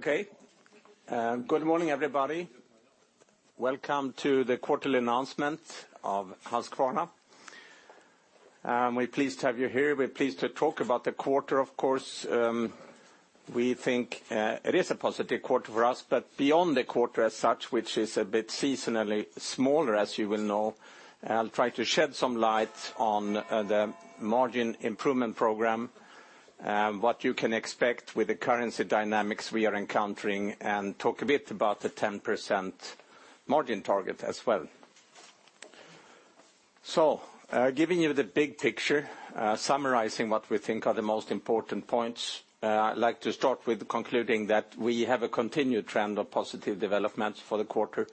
Good morning, everybody. Welcome to the quarterly announcement of Husqvarna. We're pleased to have you here. We're pleased to talk about the quarter, of course. We think it is a positive quarter for us, but beyond the quarter as such, which is a bit seasonally smaller, as you will know. I'll try to shed some light on the margin improvement program, what you can expect with the currency dynamics we are encountering, and talk a bit about the 10% margin target as well. Giving you the big picture, summarizing what we think are the most important points. I'd like to start with concluding that we have a continued trend of positive developments for the quarter.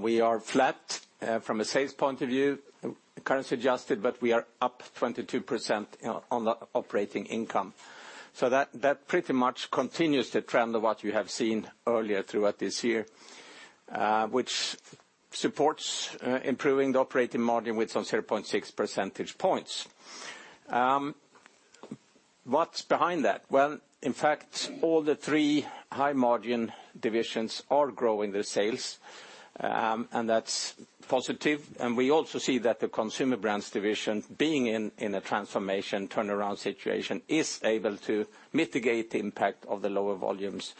We are flat from a sales point of view, currency adjusted, but we are up 22% on the operating income. That pretty much continues the trend of what you have seen earlier throughout this year, which supports improving the operating margin with some 0.6 percentage points. What's behind that? In fact, all the three high-margin divisions are growing their sales, and that's positive. We also see that the Consumer Brands Division, being in a transformation turnaround situation, is able to mitigate the impact of the lower volumes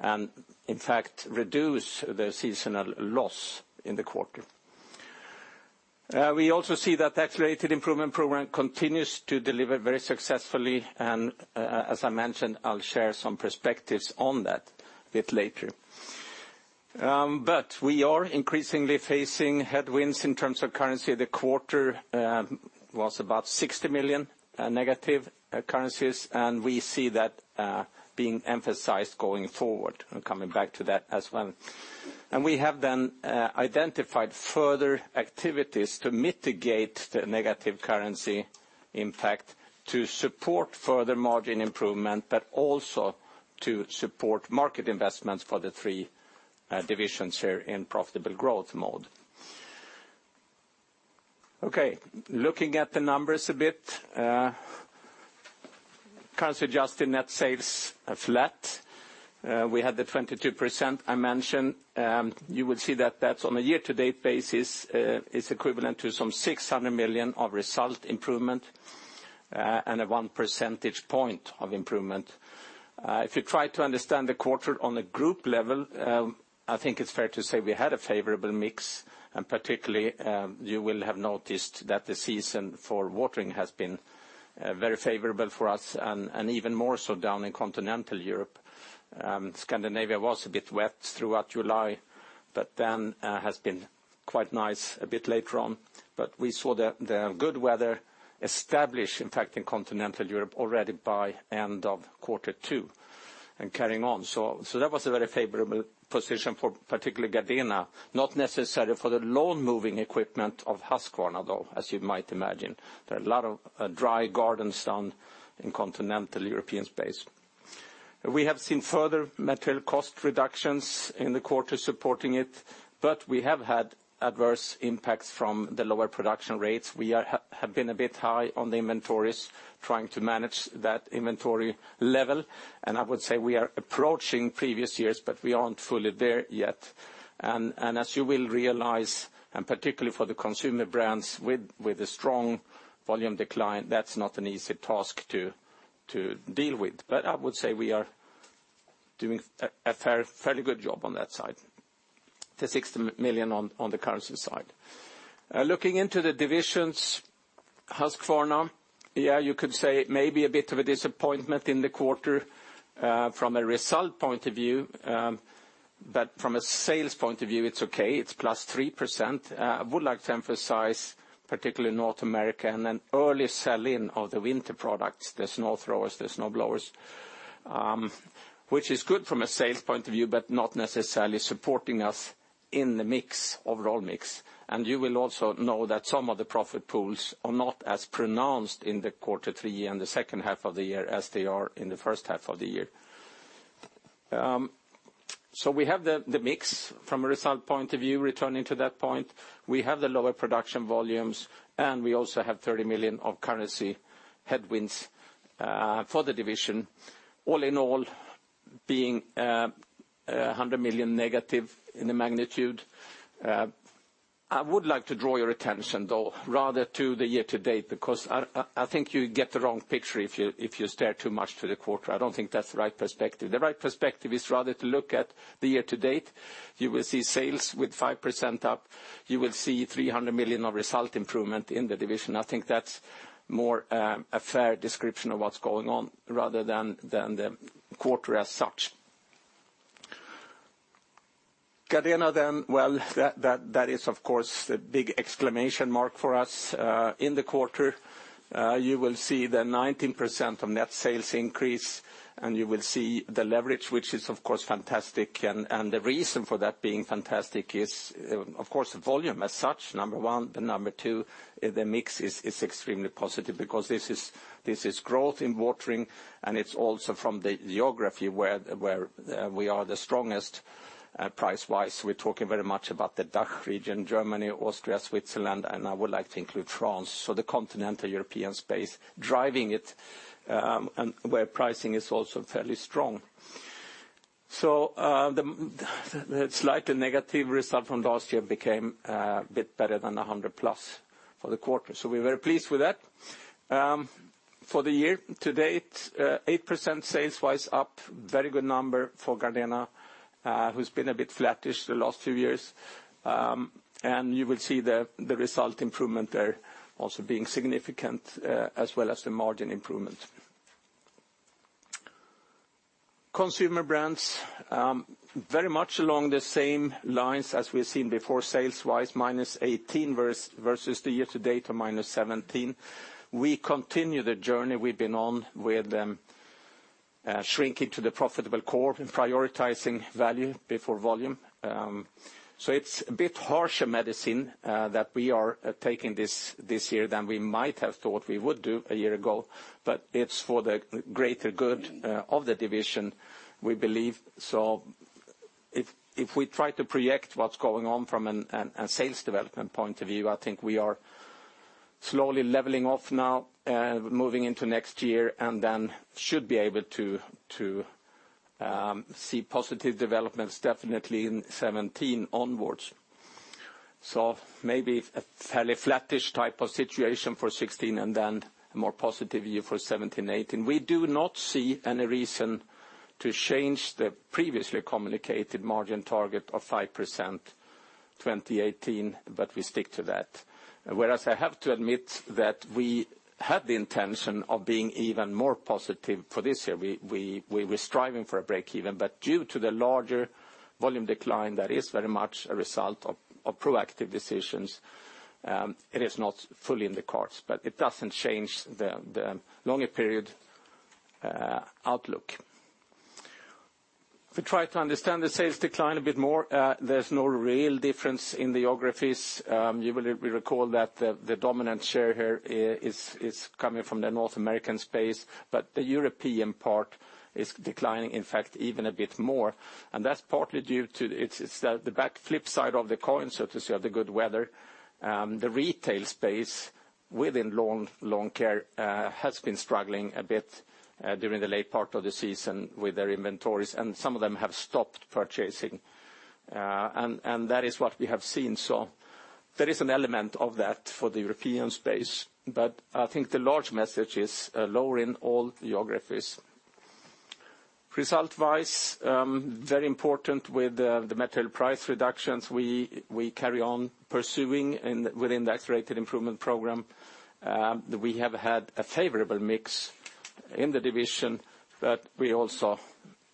and, in fact, reduce the seasonal loss in the quarter. We also see that the Accelerated Improvement Program continues to deliver very successfully, and, as I mentioned, I'll share some perspectives on that a bit later. We are increasingly facing headwinds in terms of currency. The quarter was about 60 million negative currencies, and we see that being emphasized going forward. I'm coming back to that as well. We have then identified further activities to mitigate the negative currency impact to support further margin improvement, but also to support market investments for the three divisions here in profitable growth mode. Looking at the numbers a bit. Currency-adjusted net sales are flat. We had the 22% I mentioned. You will see that that's on a year-to-date basis is equivalent to some 600 million of result improvement and a one percentage point of improvement. If you try to understand the quarter on the group level, I think it's fair to say we had a favorable mix, and particularly, you will have noticed that the season for watering has been very favorable for us, and even more so down in Continental Europe. Scandinavia was a bit wet throughout July, but then has been quite nice a bit later on. We saw the good weather establish, in fact, in Continental Europe already by end of quarter two and carrying on. That was a very favorable position for particularly Gardena. Not necessarily for the lawn-mowing equipment of Husqvarna, though, as you might imagine. There are a lot of dry gardens down in Continental European space. We have seen further material cost reductions in the quarter supporting it, but we have had adverse impacts from the lower production rates. We have been a bit high on the inventories trying to manage that inventory level, and I would say we are approaching previous years, but we aren't fully there yet. As you will realize, and particularly for the Consumer Brands with a strong volume decline, that's not an easy task to deal with. I would say we are doing a fairly good job on that side. The 60 million on the currency side. Looking into the divisions, Husqvarna, you could say maybe a bit of a disappointment in the quarter from a result point of view, but from a sales point of view, it's okay. It's plus 3%. I would like to emphasize particularly North America and an early sell-in of the winter products, the snow throwers, the snow blowers, which is good from a sales point of view, but not necessarily supporting us in the overall mix. You will also know that some of the profit pools are not as pronounced in the quarter 3 and the second half of the year as they are in the first half of the year. We have the mix from a result point of view, returning to that point. We have the lower production volumes, we also have 30 million of currency headwinds for the division. All in all, being 100 million negative in the magnitude. I would like to draw your attention, though, rather to the year-to-date, because I think you get the wrong picture if you stare too much to the quarter. I don't think that's the right perspective. The right perspective is rather to look at the year-to-date. You will see sales with 5% up. You will see 300 million of result improvement in the division. I think that's more a fair description of what's going on rather than the quarter as such. Gardena then, that is, of course, the big exclamation mark for us in the quarter. You will see the 19% of net sales increase, you will see the leverage, which is, of course, fantastic. The reason for that being fantastic is, of course, the volume as such, number one, number two, the mix is extremely positive because this is growth in watering, it's also from the geography where we are the strongest price-wise. We're talking very much about the DACH region, Germany, Austria, Switzerland, I would like to include France. The Continental European space driving it, where pricing is also fairly strong. The slightly negative result from last year became a bit better than 100 plus for the quarter. We're very pleased with that. For the year to date, 8% sales-wise up, very good number for Gardena, who's been a bit flattish the last few years. You will see the result improvement there also being significant, as well as the margin improvement. Consumer Brands, very much along the same lines as we've seen before sales-wise, -18% versus the year to date of -17%. We continue the journey we've been on with shrinking to the profitable core and prioritizing value before volume. It's a bit harsher medicine that we are taking this year than we might have thought we would do a year ago, but it's for the greater good of the division, we believe. If we try to project what's going on from a sales development point of view, I think we are slowly leveling off now, moving into next year, then should be able to see positive developments definitely in 2017 onwards. Maybe a fairly flattish type of situation for 2016, then a more positive year for 2017, 2018. We do not see any reason to change the previously communicated margin target of 5% 2018, but we stick to that. Whereas I have to admit that we had the intention of being even more positive for this year. We were striving for a break even, but due to the larger volume decline that is very much a result of proactive decisions, it is not fully in the cards. It doesn't change the longer period outlook. If we try to understand the sales decline a bit more, there's no real difference in the geographies. You will recall that the dominant share here is coming from the North American space, but the European part is declining, in fact, even a bit more. That's partly due to the back flip side of the coin, so to say, of the good weather. The retail space within lawn care has been struggling a bit during the late part of the season with their inventories, and some of them have stopped purchasing. That is what we have seen. There is an element of that for the European space. I think the large message is lower in all geographies. Result-wise, very important with the material price reductions we carry on pursuing within the Accelerated Improvement Program. We have had a favorable mix in the division, but we're also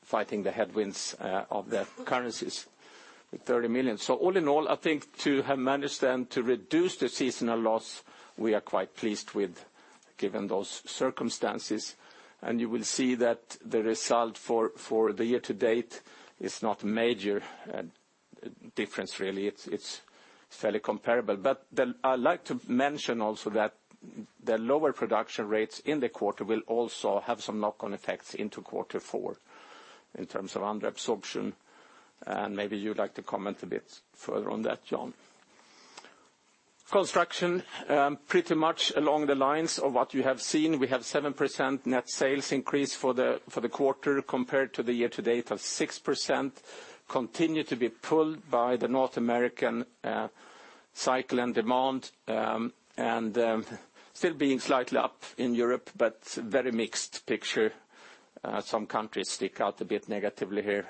fighting the headwinds of the currencies with 30 million. All in all, I think to have managed then to reduce the seasonal loss, we are quite pleased with given those circumstances. You will see that the result for the year to date is not major difference really. It's fairly comparable. I'd like to mention also that the lower production rates in the quarter will also have some knock-on effects into quarter four in terms of under absorption. Maybe you'd like to comment a bit further on that, Jan. Construction, pretty much along the lines of what you have seen. We have 7% net sales increase for the quarter compared to the year to date of 6%. Continue to be pulled by the North American cycle and demand, and still being slightly up in Europe, but very mixed picture. Some countries stick out a bit negatively here,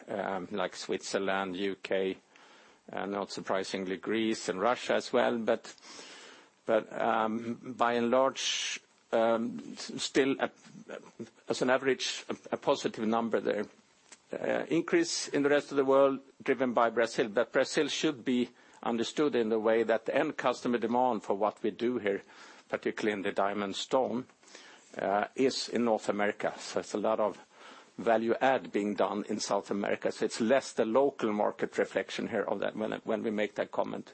like Switzerland, U.K., and not surprisingly, Greece and Russia as well. By and large, still as an average, a positive number there. Increase in the rest of the world driven by Brazil. Brazil should be understood in the way that the end customer demand for what we do here, particularly in the diamond tools, is in North America. It's a lot of value add being done in South America. It's less the local market reflection here of that when we make that comment,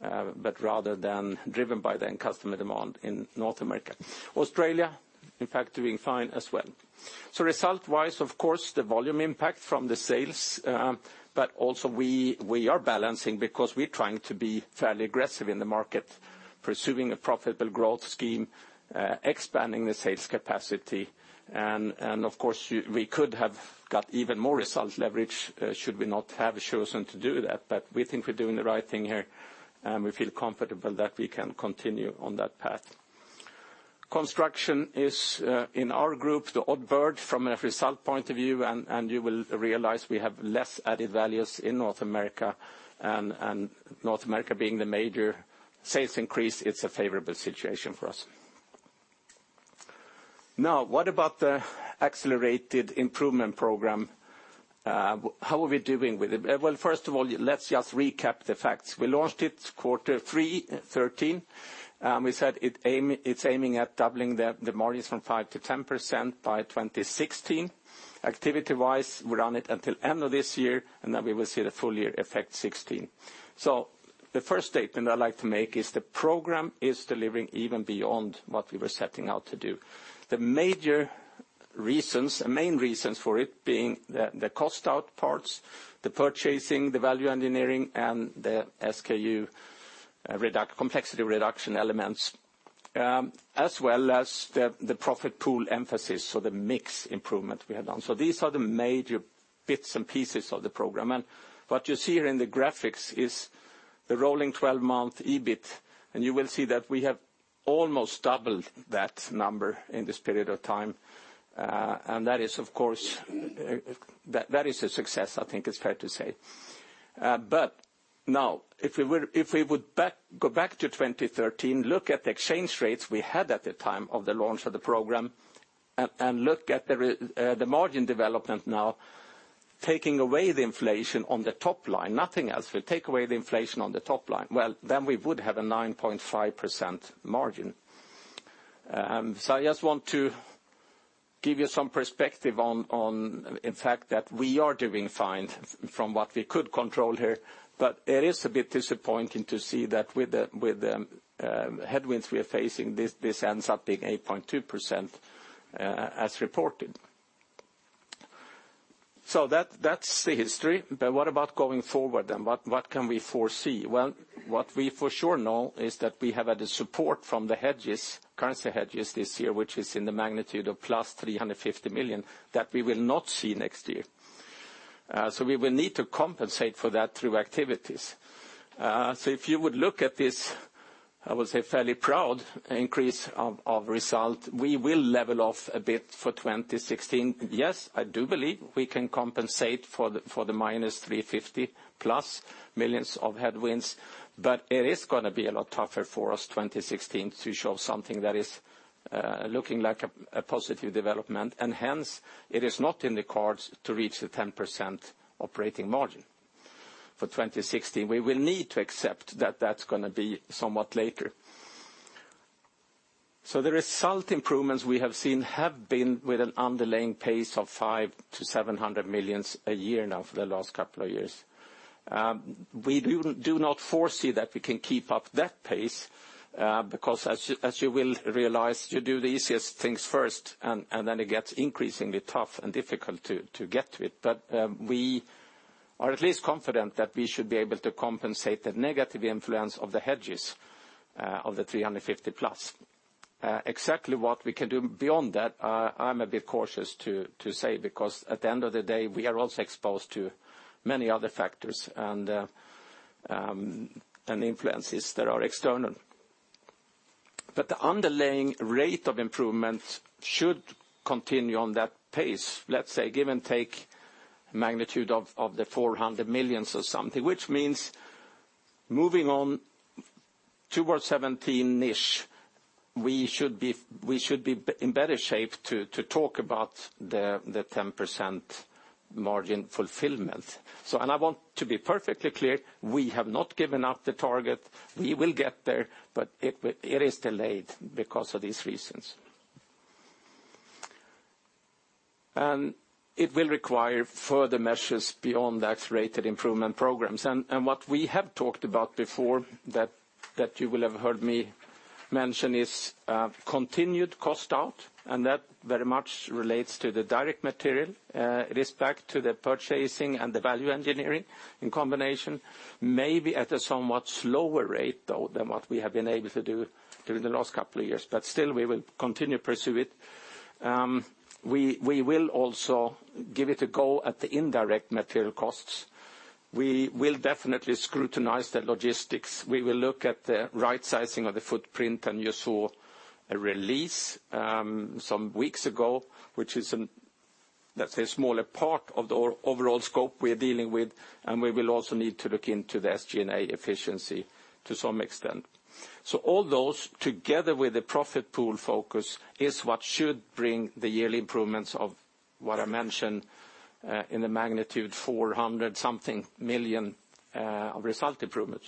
but rather than driven by the end customer demand in North America. Australia, in fact, doing fine as well. Result-wise, of course, the volume impact from the sales, but also we are balancing because we're trying to be fairly aggressive in the market, pursuing a profitable growth scheme, expanding the sales capacity. Of course, we could have got even more results leverage should we not have chosen to do that. We think we're doing the right thing here, and we feel comfortable that we can continue on that path. Construction is, in our group, the odd bird from a result point of view. You will realize we have less added values in North America. North America being the major sales increase, it's a favorable situation for us. What about the Accelerated Improvement Program? How are we doing with it? First of all, let's just recap the facts. We launched it quarter 3 2013. We said it's aiming at doubling the margins from 5%-10% by 2016. Activity-wise, we run it until end of this year, and then we will see the full year effect 2016. The first statement I'd like to make is the program is delivering even beyond what we were setting out to do. The main reasons for it being the cost out parts, the purchasing, the value engineering, and the SKU complexity reduction elements. As well as the profit pool emphasis, so the mix improvement we have done. These are the major bits and pieces of the program. What you see here in the graphics is the rolling 12-month EBIT, and you will see that we have almost doubled that number in this period of time. That is a success, I think it's fair to say. If we would go back to 2013, look at the exchange rates we had at the time of the launch of the program, and look at the margin development now, taking away the inflation on the top line, nothing else. We take away the inflation on the top line. Then we would have a 9.5% margin. I just want to give you some perspective on, in fact, that we are doing fine from what we could control here, but it is a bit disappointing to see that with the headwinds we are facing, this ends up being 8.2% as reported. That's the history. What about going forward, and what can we foresee? What we for sure know is that we have had a support from the hedges, currency hedges this year, which is in the magnitude of +350 million that we will not see next year. We will need to compensate for that through activities. If you would look at this, I would say, fairly proud increase of result, we will level off a bit for 2016. I do believe we can compensate for the -350+ million of headwinds, but it is going to be a lot tougher for us, 2016, to show something that is looking like a positive development, and hence, it is not in the cards to reach the 10% operating margin for 2016. We will need to accept that that's going to be somewhat later. The result improvements we have seen have been with an underlying pace of 500 million-700 million a year now for the last couple of years. We do not foresee that we can keep up that pace, because as you will realize, you do the easiest things first, and then it gets increasingly tough and difficult to get to it. We are at least confident that we should be able to compensate the negative influence of the hedges of the 350+. Exactly what we can do beyond that, I'm a bit cautious to say, because at the end of the day, we are also exposed to many other factors and influences that are external. The underlying rate of improvement should continue on that pace, let's say, give and take magnitude of the 400 million or something. Which means moving on towards 2017-ish, we should be in better shape to talk about the 10% margin fulfillment. I want to be perfectly clear, we have not given up the target. We will get there, but it is delayed because of these reasons. It will require further measures beyond the Accelerated Improvement Programs. What we have talked about before that you will have heard me mention is continued cost out, and that very much relates to the direct material. It is back to the purchasing and the value engineering in combination, maybe at a somewhat slower rate, though, than what we have been able to do during the last couple of years. Still, we will continue to pursue it. We will also give it a go at the indirect material costs. We will definitely scrutinize the logistics. We will look at the right sizing of the footprint, and you saw a release some weeks ago, which is, let's say, a smaller part of the overall scope we're dealing with, and we will also need to look into the SG&A efficiency to some extent. All those, together with the profit pool focus, is what should bring the yearly improvements of what I mentioned in the magnitude 400 something million of result improvement.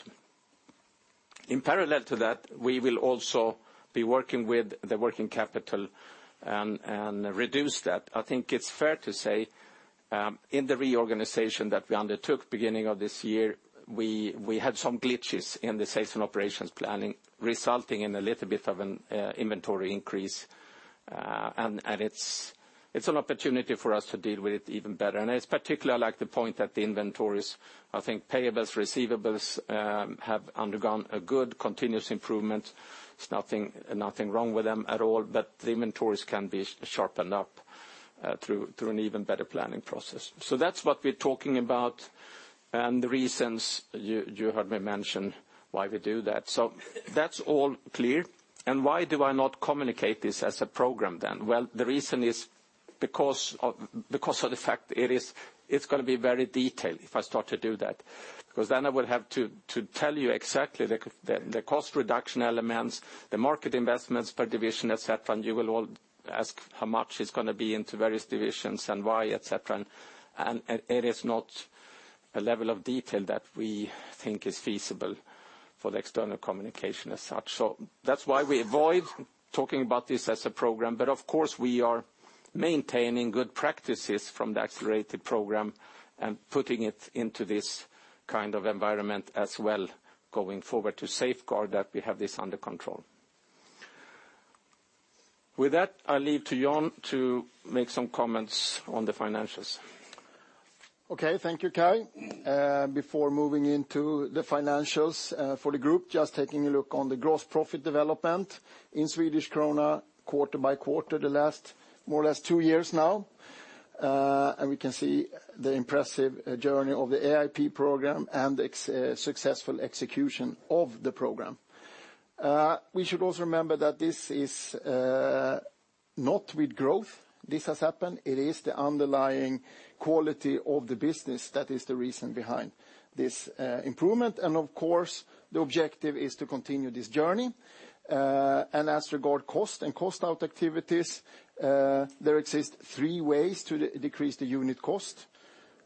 In parallel to that, we will also be working with the working capital and reduce that. I think it's fair to say, in the reorganization that we undertook beginning of this year, we had some glitches in the sales and operations planning, resulting in a little bit of an inventory increase. It's an opportunity for us to deal with it even better. It's particularly like the point that the inventories, I think payables, receivables, have undergone a good continuous improvement. It's nothing wrong with them at all, but the inventories can be sharpened up through an even better planning process. That's what we're talking about, and the reasons you heard me mention why we do that. That's all clear. Why do I not communicate this as a program, then? The reason is because of the fact it's going to be very detailed if I start to do that. I would have to tell you exactly the cost reduction elements, the market investments per division, et cetera, and you will all ask how much it's going to be into various divisions and why, et cetera. It is not a level of detail that we think is feasible for the external communication as such. That's why we avoid talking about this as a program. Of course, we are maintaining good practices from the Accelerated Improvement Program and putting it into this kind of environment as well going forward to safeguard that we have this under control. With that, I leave to Jan to make some comments on the financials. Thank you, Kai. Before moving into the financials for the group, just taking a look on the gross profit development in SEK quarter by quarter, the last more or less two years now. We can see the impressive journey of the AIP program and the successful execution of the program. We should also remember that this is not with growth this has happened. It is the underlying quality of the business that is the reason behind this improvement. Of course, the objective is to continue this journey. As regard cost and cost out activities, there exist three ways to decrease the unit cost.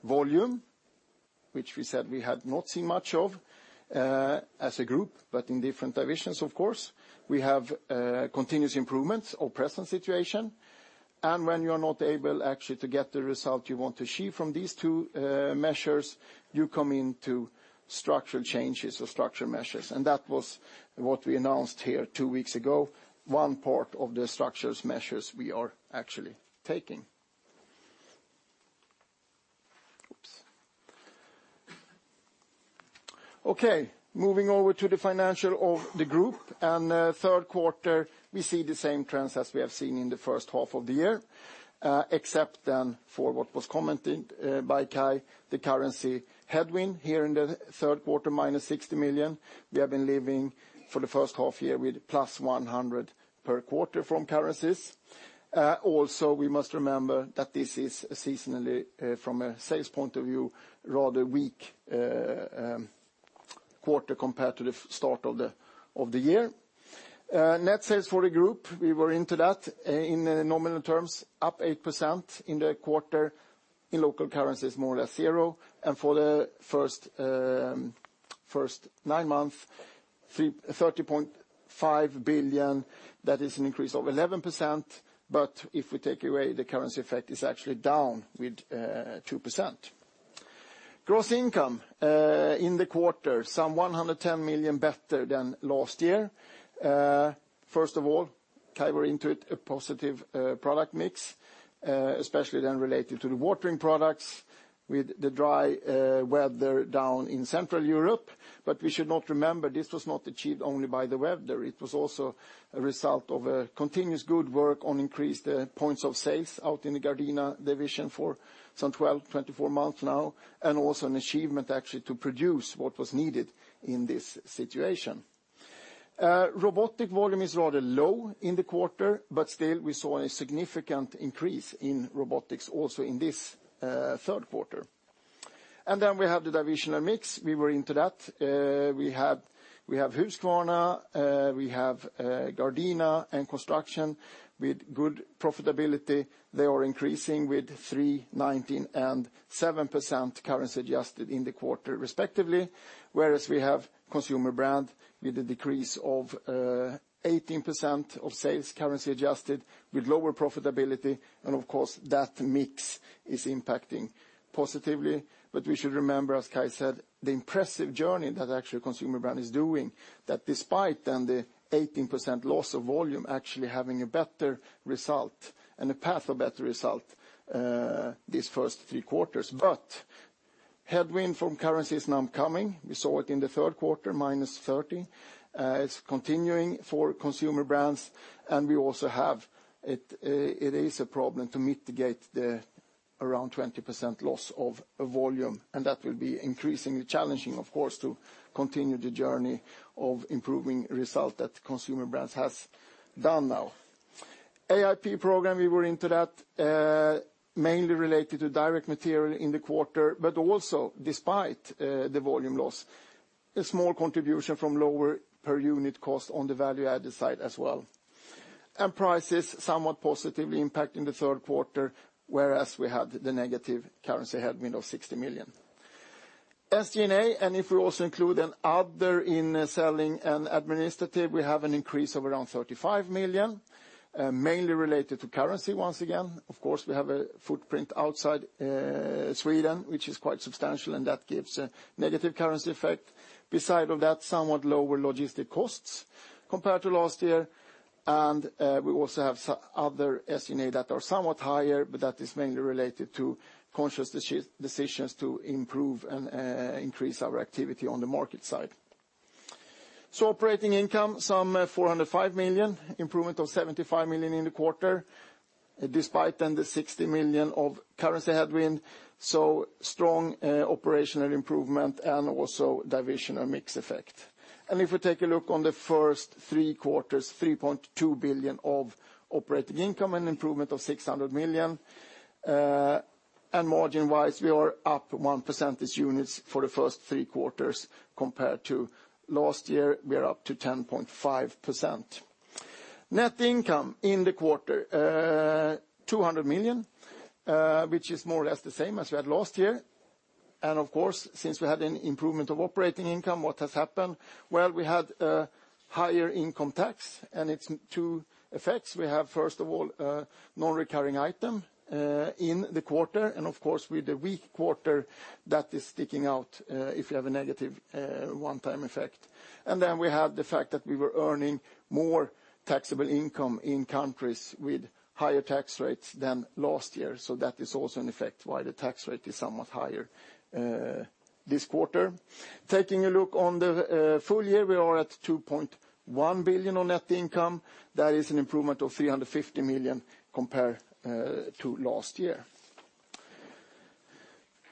Volume, which we said we had not seen much of as a group, but in different divisions, of course. We have continuous improvements or present situation. When you're not able actually to get the result you want to achieve from these two measures, you come into structural changes or structural measures. That was what we announced here two weeks ago, one part of the structures measures we are actually taking. Moving over to the financial of the group, third quarter, we see the same trends as we have seen in the first half-year, except then for what was commented by Kai, the currency headwind here in the third quarter, minus 60 million. We have been living for the first half-year with plus 100 per quarter from currencies. Also, we must remember that this is seasonally, from a sales point of view, rather weak quarter compared to the start of the year. Net sales for the group, we were into that, in nominal terms, up 8% in the quarter, in local currencies more or less zero, for the first nine months, 30.5 billion. That is an increase of 11%, but if we take away the currency effect, it's actually down with 2%. Gross income, in the quarter, some 110 million better than last year. First of all, Kai was into it, a positive product mix, especially then related to the watering products with the dry weather down in Central Europe. We should not remember, this was not achieved only by the weather. It was also a result of a continuous good work on increased points of sales out in the Gardena Division for some 12, 24 months now, also an achievement actually to produce what was needed in this situation. Robotics volume is rather low in the quarter, but still, we saw a significant increase in robotics also in this third quarter. Then we have the divisional mix. We were into that. We have Husqvarna, Gardena and Construction with good profitability. They are increasing with 3%, 19%, and 7% currency adjusted in the quarter, respectively. Whereas we have Consumer Brand with a decrease of 18% of sales currency adjusted with lower profitability. Of course, that mix is impacting positively. We should remember, as Kai said, the impressive journey that actually Consumer Brand is doing, that despite then the 18% loss of volume, actually having a better result and a path of better result, these first three quarters. Headwind from currency is now coming. We saw it in the third quarter, minus 30 million. It's continuing for Consumer Brands, and it is a problem to mitigate the around 20% loss of volume, and that will be increasingly challenging, of course, to continue the journey of improving result that Consumer Brands has done now. AIP program, we were into that, mainly related to direct material in the quarter, but also despite the volume loss, a small contribution from lower per unit cost on the value-added side as well. Prices somewhat positively impact in the third quarter, whereas we had the negative currency headwind of 60 million. SG&A, and if we also include then other in selling and administrative, we have an increase of around 35 million, mainly related to currency once again. Of course, we have a footprint outside Sweden, which is quite substantial, and that gives a negative currency effect. Beside of that, somewhat lower logistic costs compared to last year, and we also have other SG&A that are somewhat higher, but that is mainly related to conscious decisions to improve and increase our activity on the market side. Operating income, some 405 million, improvement of 75 million in the quarter, despite then the 60 million of currency headwind. Strong operational improvement and also divisional mix effect. If we take a look on the first three quarters, 3.2 billion of operating income, an improvement of 600 million, and margin-wise, we are up one percentage units for the first three quarters compared to last year, we are up to 10.5%. Net income in the quarter, 200 million, which is more or less the same as we had last year. Of course, since we had an improvement of operating income, what has happened? Well, we had a higher income tax and its two effects. We have, first of all, a non-recurring item in the quarter, and of course, with the weak quarter that is sticking out, if you have a negative one-time effect. Then we have the fact that we were earning more taxable income in countries with higher tax rates than last year. That is also an effect why the tax rate is somewhat higher this quarter. Taking a look on the full year, we are at 2.1 billion on net income. That is an improvement of 350 million compared to last year.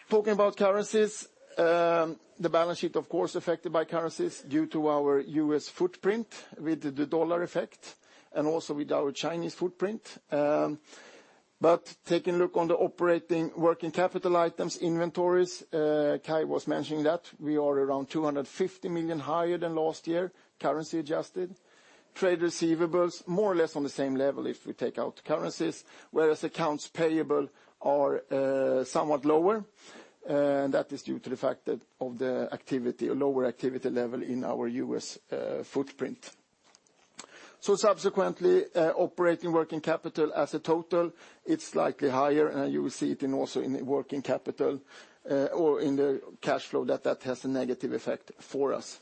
Talking about currencies. The balance sheet, of course, affected by currencies due to our U.S. footprint with the dollar effect and also with our Chinese footprint. Taking a look on the operating working capital items, inventories, Kai was mentioning that we are around 250 million higher than last year, currency adjusted. Trade receivables, more or less on the same level if we take out currencies, whereas accounts payable are somewhat lower. That is due to the fact of the lower activity level in our U.S. footprint. Subsequently, operating working capital as a total, it's slightly higher, and you will see it also in the working capital or in the cash flow that that has a negative effect for us.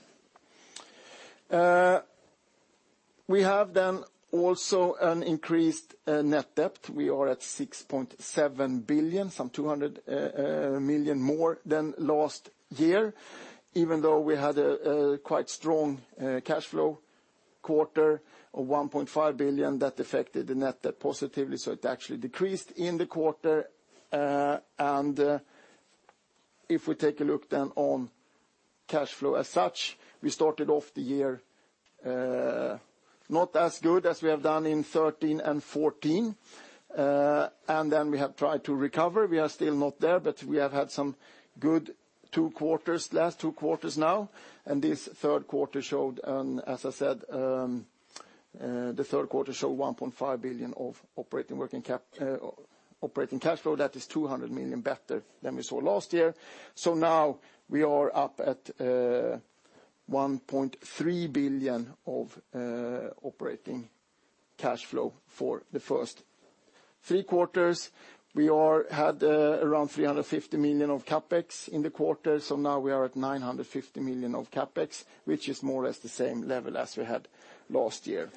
We have then also an increased net debt. We are at 6.7 billion, some 200 million more than last year, even though we had a quite strong cash flow quarter of 1.5 billion, that affected the net debt positively, so it actually decreased in the quarter. If we take a look on cash flow as such, we started off the year not as good as we have done in 2013 and 2014. We have tried to recover. We are still not there, but we have had some good 2 quarters, last 2 quarters now, and as I said, the third quarter showed 1.5 billion of operating cash flow. That is 200 million better than we saw last year. Now we are up at 1.3 billion of operating cash flow for the first three quarters. We had around 350 million of CapEx in the quarter, now we are at 950 million of CapEx, which is more or less the same level as we had last year.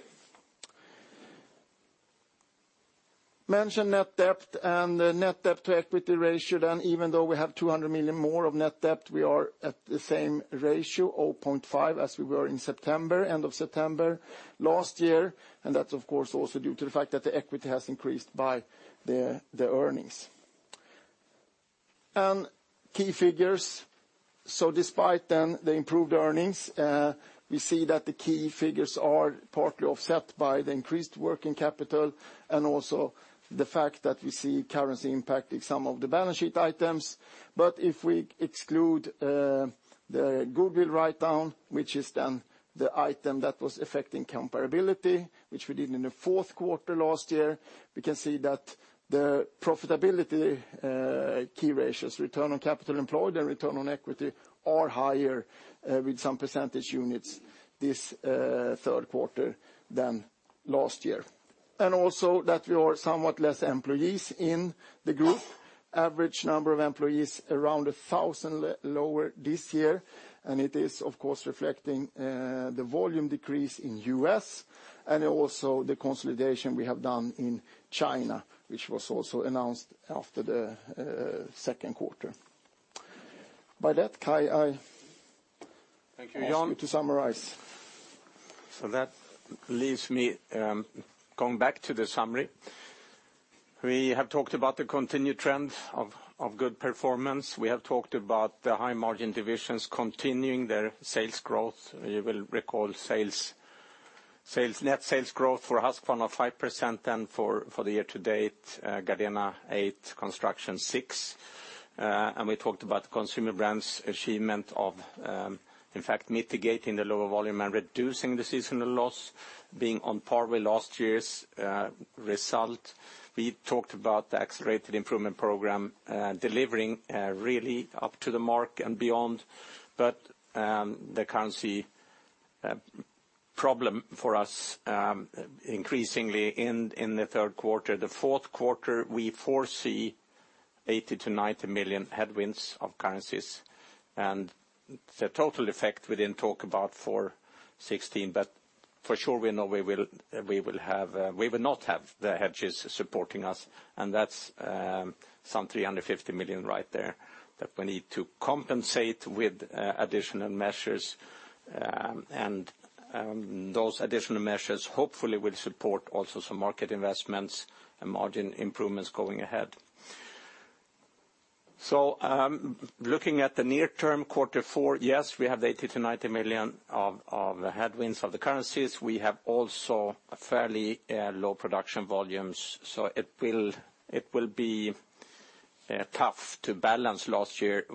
Mentioned net debt and the net debt to equity ratio, even though we have 200 million more of net debt, we are at the same ratio, 0.5 as we were in end of September last year. That's, of course, also due to the fact that the equity has increased by the earnings. Key figures. Despite the improved earnings, we see that the key figures are partly offset by the increased working capital and also the fact that we see currency impacting some of the balance sheet items. If we exclude the goodwill write-down, which is the item that was affecting comparability, which we did in the fourth quarter last year, we can see that the profitability key ratios, return on capital employed and return on equity, are higher with some percentage units this third quarter than last year. Also that we are somewhat less employees in the group. Average number of employees around 1,000 lower this year, and it is, of course, reflecting the volume decrease in U.S. and also the consolidation we have done in China, which was also announced after the second quarter. By that, Kai. Thank you, Jan. I ask you to summarize. That leaves me going back to the summary. We have talked about the continued trend of good performance. We have talked about the high margin divisions continuing their sales growth. You will recall net sales growth for Husqvarna 5%, then for the year to date, Gardena 8%, Construction 6%. We talked about Consumer Brands' achievement of, in fact, mitigating the lower volume and reducing the seasonal loss being on par with last year's result. We talked about the Accelerated Improvement Program delivering really up to the mark and beyond. The currency problem for us increasingly in the third quarter. The fourth quarter, we foresee 80 million-90 million headwinds of currencies. The total effect we didn't talk about for 2016. For sure, we know we will not have the hedges supporting us, and that's some 350 million right there that we need to compensate with additional measures. Those additional measures hopefully will support also some market investments and margin improvements going ahead. Looking at the near term, quarter four, yes, we have the 80 million-90 million of the headwinds of the currencies. We have also fairly low production volumes, so it will be tough to balance last year.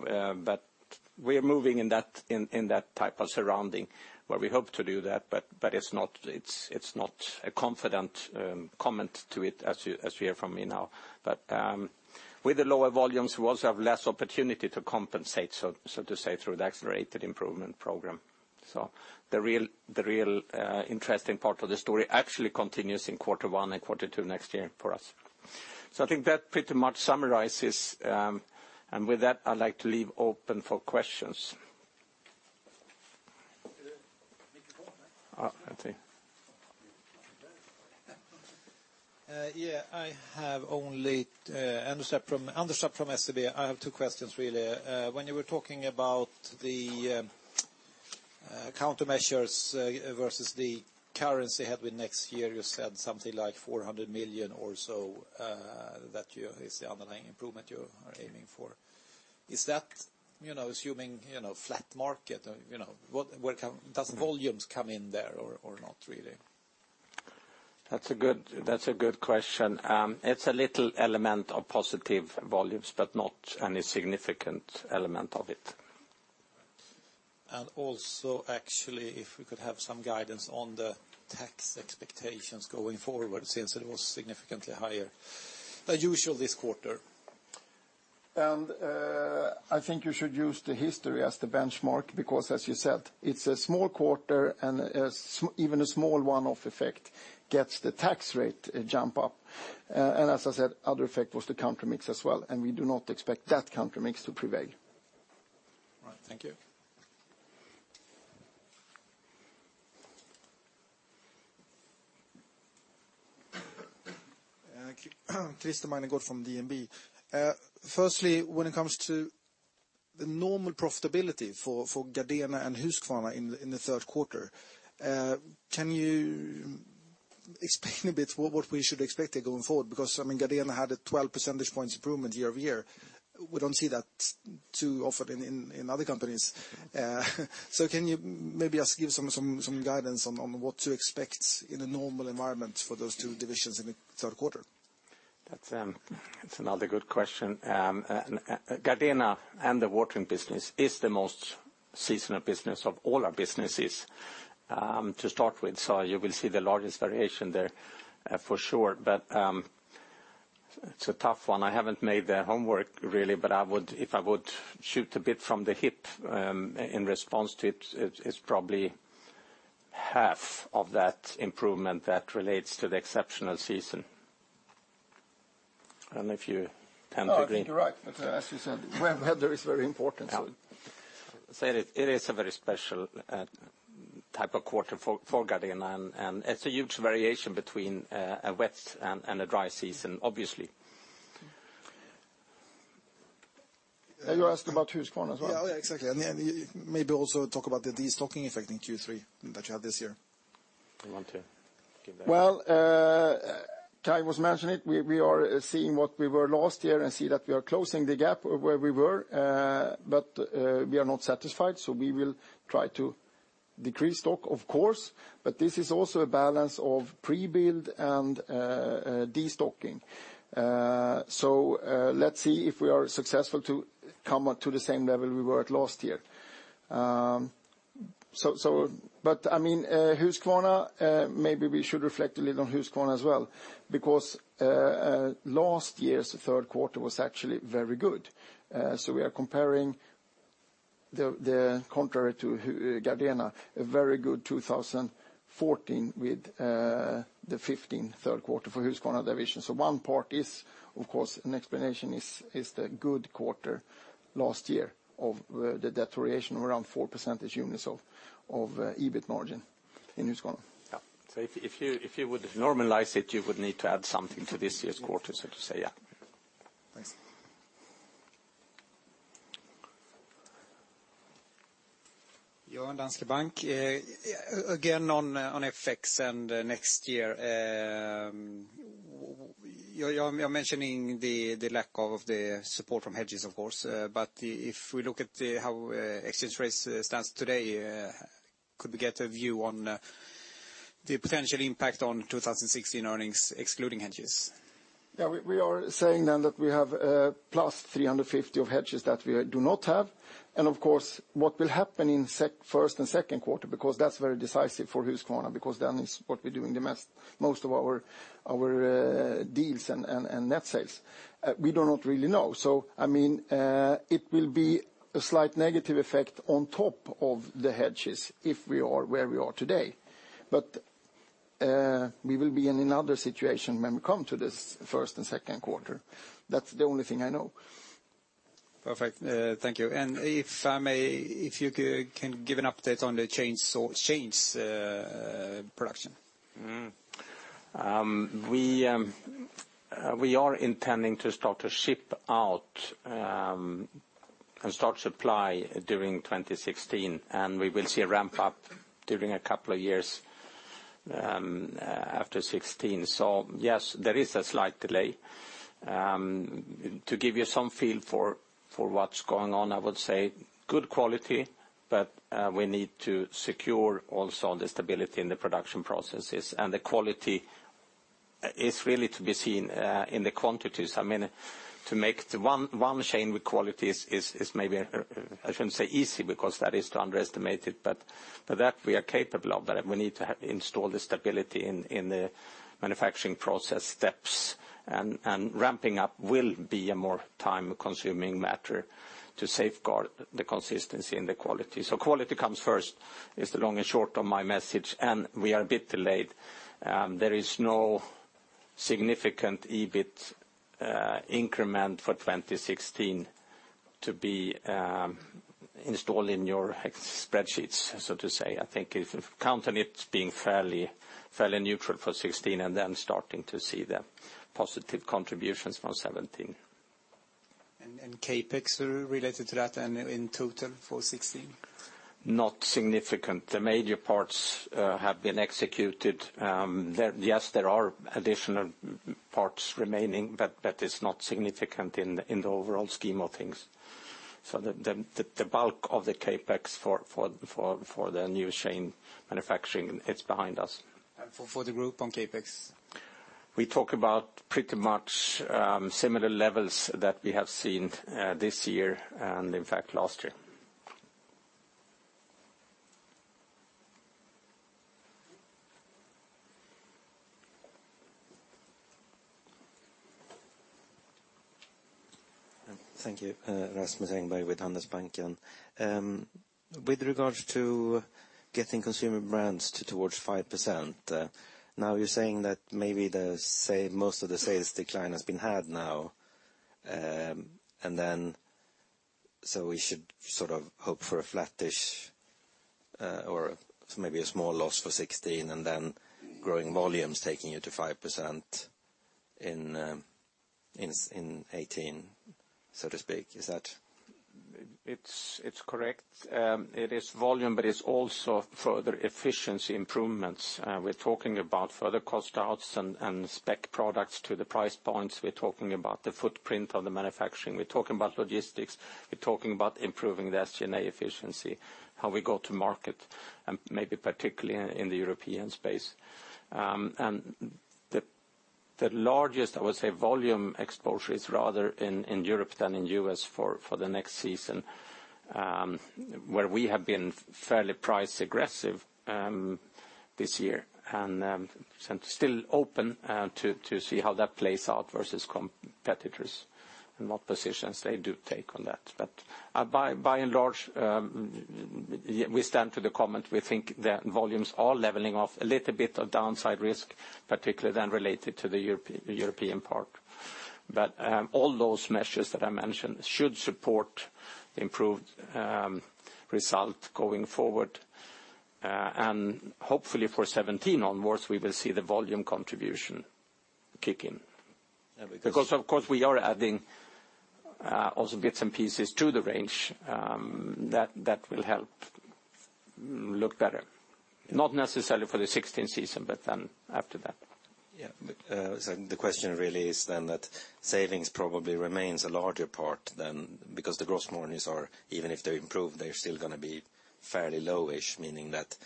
We are moving in that type of surrounding where we hope to do that, but it's not a confident comment to it as you hear from me now. With the lower volumes, we also have less opportunity to compensate, so to say, through the Accelerated Improvement Program. The real interesting part of the story actually continues in quarter one and quarter two next year for us. I think that pretty much summarizes, and with that, I'd like to leave open for questions. Microphone. Okay. I have only [Anders] from SEB. I have two questions really. When you were talking about the countermeasures versus the currency headwind next year, you said something like 400 million or so, that is the underlying improvement you are aiming for. Is that assuming flat market? Does volumes come in there or not really? That's a good question. It's a little element of positive volumes, but not any significant element of it. Also, actually, if we could have some guidance on the tax expectations going forward since it was significantly higher than usual this quarter. I think you should use the history as the benchmark because, as you said, it's a small quarter and even a small one-off effect gets the tax rate jump up. As I said, other effect was the country mix as well, and we do not expect that country mix to prevail. Right. Thank you. Christer Magnergård from DNB. When it comes to the normal profitability for Gardena and Husqvarna in the third quarter, can you explain a bit what we should expect going forward? Gardena had a 12 percentage points improvement year-over-year. We don't see that too often in other companies. Can you maybe just give some guidance on what to expect in a normal environment for those two divisions in the third quarter? That's another good question. Gardena and the watering business is the most seasonal business of all our businesses to start with. You will see the largest variation there for sure, but it's a tough one. I haven't made the homework really, but if I would shoot a bit from the hip in response to it's probably half of that improvement that relates to the exceptional season. If you tend to agree. I think you're right. As you said, weather is very important. Yeah. Say, it is a very special type of quarter for Gardena, it's a huge variation between a wet and a dry season, obviously. You asked about Husqvarna as well? Yeah, exactly. Maybe also talk about the de-stocking effect in Q3 that you had this year. You want to give that? Kai was mentioning it. We are seeing what we were last year and see that we are closing the gap where we were, but we are not satisfied, so we will try to decrease stock, of course, but this is also a balance of pre-build and de-stocking. Let's see if we are successful to come to the same level we were at last year. Maybe we should reflect a little on Husqvarna as well, because last year's third quarter was actually very good. We are comparing the contrary to Gardena, a very good 2014 with the 2015 third quarter for Husqvarna division. One part is, of course, an explanation is the good quarter last year of the deterioration of around four percentage units of EBIT margin in Husqvarna. Yeah. If you would normalize it, you would need to add something to this year's quarter, so to say. Yeah. Thanks. Johan, Danske Bank. Again, on FX and next year. You're mentioning the lack of the support from hedges, of course, but if we look at how exchange rates stands today, could we get a view on the potential impact on 2016 earnings excluding hedges? Yeah, we are saying then that we have plus 350 of hedges that we do not have. Of course, what will happen in first and second quarter, because that's very decisive for Husqvarna, because then it's what we're doing the most of our deals and net sales. We do not really know. It will be a slight negative effect on top of the hedges if we are where we are today. We will be in another situation when we come to this first and second quarter. That's the only thing I know. Perfect. Thank you. If I may, if you can give an update on the chain production. We are intending to start to ship out and start supply during 2016, we will see a ramp-up during a couple of years after 2016. Yes, there is a slight delay. To give you some feel for what's going on, I would say good quality, but we need to secure also the stability in the production processes and the quality. It's really to be seen in the quantities. To make one chain with quality is maybe, I shouldn't say easy, because that is to underestimate it, but that we are capable of, but we need to install the stability in the manufacturing process steps, and ramping up will be a more time-consuming matter to safeguard the consistency and the quality. Quality comes first is the long and short of my message, and we are a bit delayed. There is no significant EBIT increment for 2016 to be installed in your spreadsheets, so to say. I think if counting it, being fairly neutral for 2016 and then starting to see the positive contributions from 2017. CapEx related to that and in total for 2016? Not significant. The major parts have been executed. Yes, there are additional parts remaining, but that is not significant in the overall scheme of things. The bulk of the CapEx for the new chain manufacturing, it's behind us. For the group on CapEx? We talk about pretty much similar levels that we have seen this year, and in fact, last year. Thank you. Rasmus Engberg with Handelsbanken. With regards to getting Consumer Brands towards 5%, now you're saying that maybe most of the sales decline has been had now, so we should sort of hope for a flattish or maybe a small loss for 2016, and then growing volumes taking you to 5% in 2018, so to speak. Is that? It's correct. It is volume, but it's also further efficiency improvements. We're talking about further cost outs and spec products to the price points. We're talking about the footprint of the manufacturing. We're talking about logistics. We're talking about improving the SG&A efficiency, how we go to market, and maybe particularly in the European space. The largest, I would say, volume exposure is rather in Europe than in U.S. for the next season, where we have been fairly price-aggressive this year, and still open to see how that plays out versus competitors and what positions they do take on that. By and large, we stand to the comment. We think the volumes are leveling off. A little bit of downside risk, particularly then related to the European part. All those measures that I mentioned should support improved result going forward. Hopefully for 2017 onwards, we will see the volume contribution kick in. Because of course we are adding also bits and pieces to the range that will help look better. Not necessarily for the 2016 season, but then after that. Yeah. The question really is then that savings probably remains a larger part then, because the gross margins are, even if they improve, they're still going to be fairly low-ish, meaning that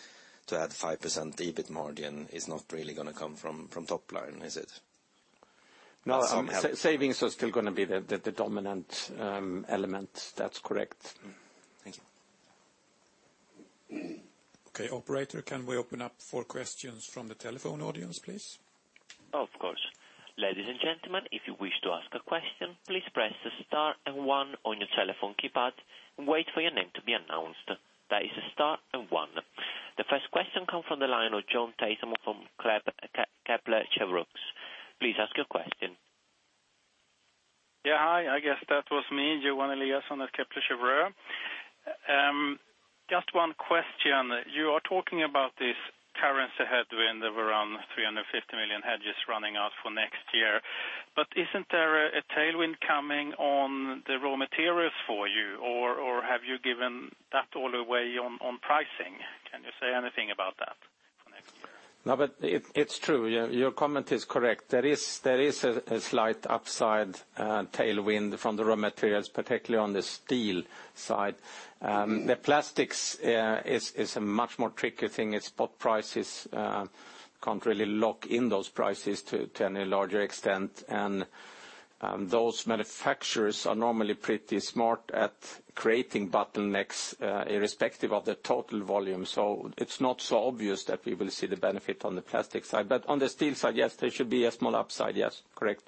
to add 5% EBIT margin is not really going to come from top line, is it? No, savings are still going to be the dominant element. That's correct. Thank you. Okay, operator, can we open up for questions from the telephone audience, please? Of course. Ladies and gentlemen, if you wish to ask a question, please press star and one on your telephone keypad and wait for your name to be announced. That is star and one. The first question comes from the line of Johan Eliason from Kepler Cheuvreux. Please ask your question. Yeah, hi. I guess that was me, Johan Eliason on the Kepler Cheuvreux. Just one question. You are talking about this currency headwind of around 350 million hedges running out for next year. Isn't there a tailwind coming on the raw materials for you? Have you given that all away on pricing? Can you say anything about that for next year? No, it's true. Your comment is correct. There is a slight upside tailwind from the raw materials, particularly on the steel side. The plastics is a much more trickier thing. It's spot prices. Can't really lock in those prices to any larger extent. Those manufacturers are normally pretty smart at creating bottlenecks, irrespective of the total volume. It's not so obvious that we will see the benefit on the plastic side. On the steel side, yes, there should be a small upside. Yes, correct.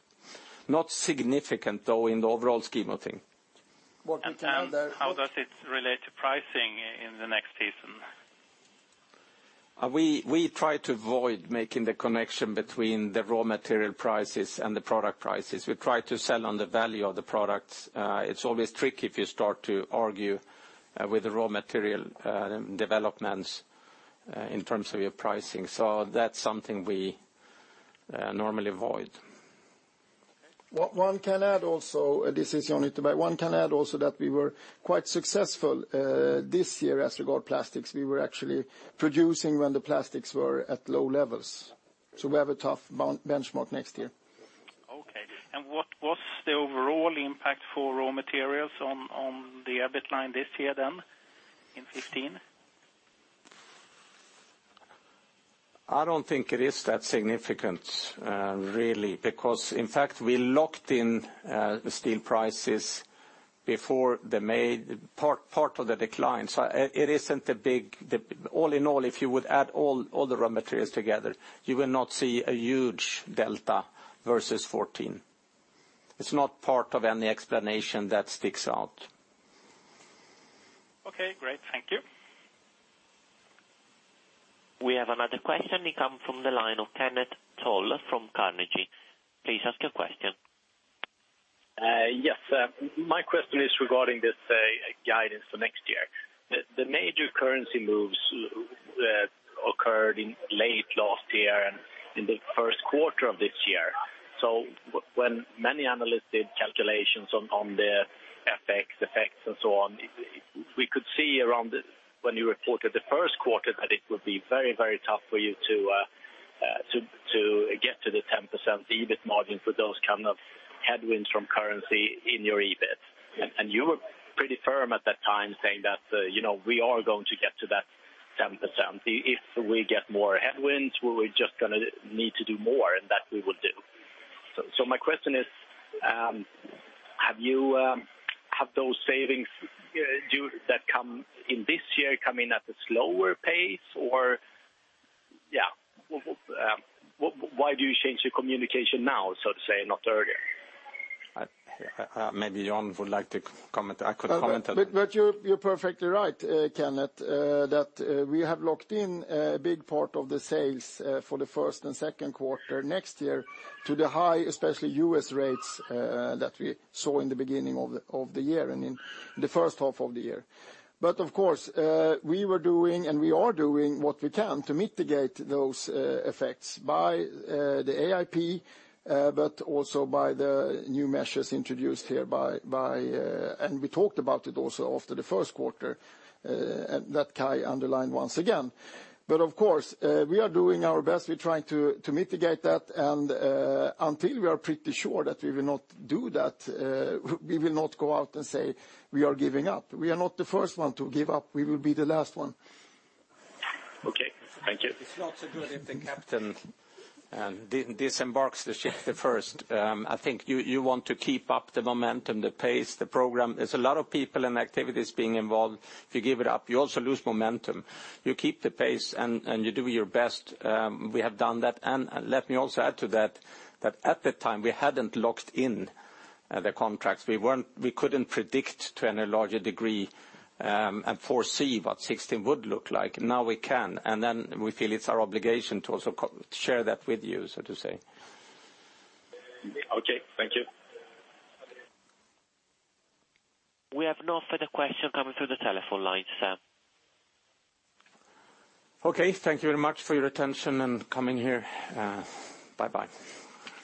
Not significant, though, in the overall scheme of things. How does it relate to pricing in the next season? We try to avoid making the connection between the raw material prices and the product prices. We try to sell on the value of the products. It's always tricky if you start to argue with the raw material developments in terms of your pricing. That's something we normally avoid. What one can add also, this is Jan Ytterberg. One can add also that we were quite successful this year as regard plastics. We were actually producing when the plastics were at low levels. We have a tough benchmark next year. Okay. What was the overall impact for raw materials on the EBIT line this year then in 2015? I don't think it is that significant, really, because in fact, we locked in the steel prices before part of the decline. All in all, if you would add all the raw materials together, you will not see a huge delta versus 2014. It's not part of any explanation that sticks out. Okay, great. Thank you. We have another question. It comes from the line of Kenneth Toll from Carnegie. Please ask your question. Yes. My question is regarding this guidance for next year. The major currency moves occurred late last year and in the first quarter of this year. When many analysts did calculations on the FX effects and so on, we could see around when you reported the first quarter that it would be very tough for you to get to the 10% EBIT margin for those kind of headwinds from currency in your EBIT. You were pretty firm at that time saying that, "We are going to get to that 10%. If we get more headwinds, we're just going to need to do more, and that we will do." My question is, have those savings that come in this year come in at a slower pace? Why do you change your communication now, so to say, and not earlier? Maybe Jan would like to comment. I could comment on that. You're perfectly right, Kenneth, that we have locked in a big part of the sales for the first and second quarter next year to the high, especially U.S. rates, that we saw in the beginning of the year and in the first half of the year. Of course, we were doing, and we are doing what we can to mitigate those effects by the AIP, but also by the new measures. We talked about it also after the first quarter, that Kai underlined once again. Of course, we are doing our best. We're trying to mitigate that, and until we are pretty sure that we will not do that, we will not go out and say we are giving up. We are not the first one to give up. We will be the last one. Okay. Thank you. It's not so good if the captain disembarks the ship first. I think you want to keep up the momentum, the pace, the program. There's a lot of people and activities being involved. If you give it up, you also lose momentum. You keep the pace, and you do your best. We have done that, and let me also add to that at the time, we hadn't locked in the contracts. We couldn't predict to any larger degree, and foresee what 2016 would look like. Now we can, then we feel it's our obligation to also share that with you, so to say. Okay. Thank you. We have no further question coming through the telephone lines, Sam. Okay. Thank you very much for your attention and coming here. Bye-bye.